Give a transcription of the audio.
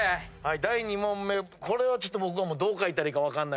第２問目これはちょっと僕はどう描いたらいいか分かんない。